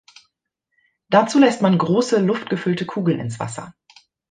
Dazu lässt man große luftgefüllte Kugeln ins Wasser.